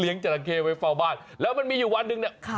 จราเข้ไว้เฝ้าบ้านแล้วมันมีอยู่วันหนึ่งเนี่ย